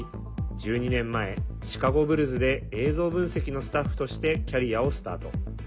１２年前、シカゴ・ブルズで映像分析のスタッフとしてキャリアをスタート。